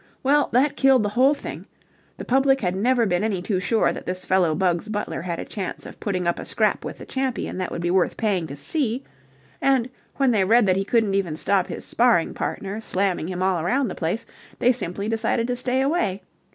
Well, that killed the whole thing. The public had never been any too sure that this fellow Bugs Butler had a chance of putting up a scrap with the champion that would be worth paying to see; and, when they read that he couldn't even stop his sparring partners slamming him all around the place they simply decided to stay away.